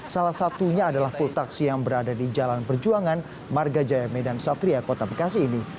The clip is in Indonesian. salah satunya adalah pul taksi yang berada di jalan perjuangan marga jaya medan satria kota bekasi ini